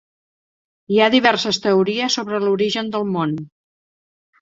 Hi ha diverses teories sobre l'origen del món.